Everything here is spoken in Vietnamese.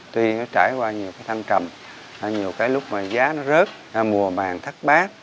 tuy trải qua nhiều thăng trầm nhiều lúc giá rớt mùa bàn thắt bát